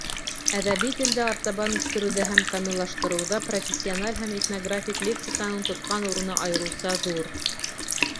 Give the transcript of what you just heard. Әҙәби телде артабан үҫтереүҙә һәм камиллаштырыуҙа профессиональ һәм этнографик лексиканың тотҡан урыны айырыуса ҙур.